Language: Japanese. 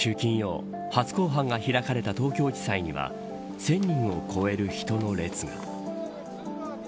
先週金曜初公判が開かれた東京地裁には１０００人を超える人の列が。